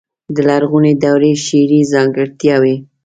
د لرغونې دورې شعري ځانګړتياوې.